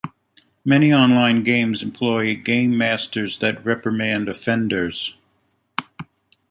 Many online games employ gamemasters that reprimand offenders.